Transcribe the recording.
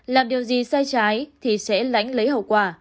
làm điều gì sai trái thì sẽ lánh lấy hậu quả